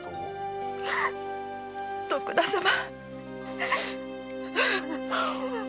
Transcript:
徳田様。